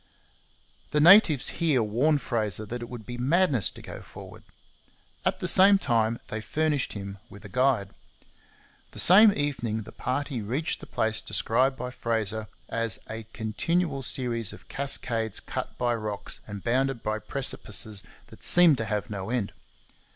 The natives here warned Fraser that it would be madness to go forward. At the same time they furnished him with a guide. The same evening the party reached the place described by Fraser as 'a continual series of cascades cut by rocks and bounded by precipices that seemed to have no end.'